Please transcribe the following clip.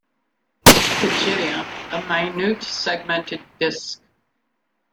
Pygidium: A minute, segmented disc.